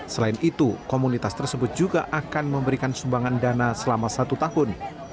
selain itu komunitas tersebut juga akan memberikan sumbangan dana selama satu tahun